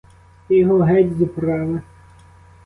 Ти його геть з управи.